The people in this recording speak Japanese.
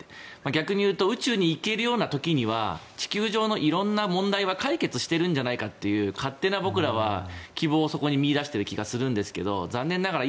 逆に言うと宇宙へ行ける時には地球上の色んな問題は解決しているんじゃないかという勝手な、僕らは希望をそこに見いだしている気がするんですが残念ながら